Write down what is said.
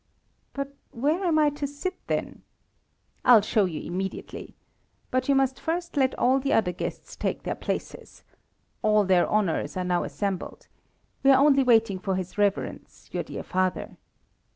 "But where am I to sit, then?" "I'll show you immediately. But you must first let all the other guests take their places. All their honours are now assembled. We are only waiting for his reverence, your dear father."